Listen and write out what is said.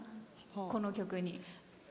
この曲に。